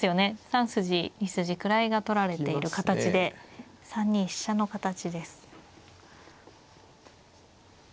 ３筋２筋位が取られている形で３二飛車の形です。